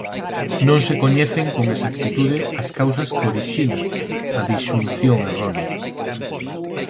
Non se coñecen con exactitude as causas que orixinan a disxunción errónea.